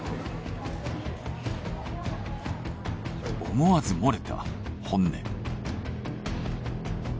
思わずもれた本音。